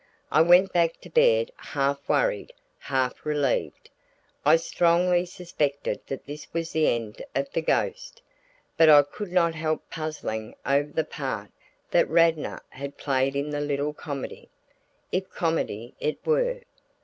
I went back to bed half worried, half relieved. I strongly suspected that this was the end of the ghost; but I could not help puzzling over the part that Radnor had played in the little comedy if comedy it were.